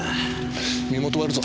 身元割るぞ。